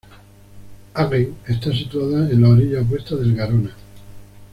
Agen está situada en la orilla opuesta del Garona.